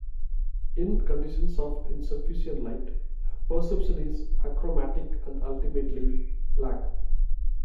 In conditions of insufficient light, perception is achromatic and ultimately, black.